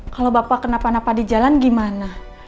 kalau bapak kena panapa di jalan gimana